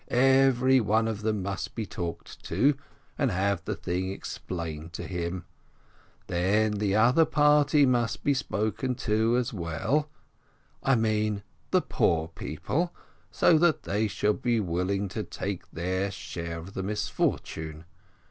Everyone of them must be talked to, and have the thing explained to him. Then, the other party must be spoken to as well, I mean the poor people, so that they shall be willing to take their share of the misfortune.